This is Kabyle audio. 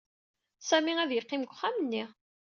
Sami ad yeqqim deg uxxam-nni.